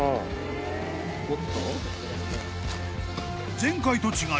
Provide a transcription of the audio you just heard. ［前回と違い